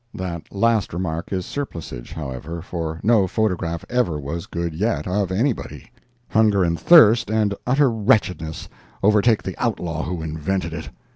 That last remark is surplusage, however, for no photograph ever was good, yet, of anybody—hunger and thirst and utter wretchedness overtake the outlaw who invented it!